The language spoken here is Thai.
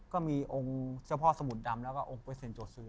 ก็มีองค์เจ้าพ่อสมุดดำแล้วก็งงเป้สินโจทธ์ซื้อ